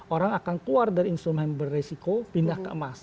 orang akan keluar dari instrumen beresiko pindah ke emas